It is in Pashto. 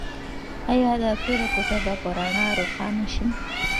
ایا دا توره کوټه به په رڼا روښانه شي؟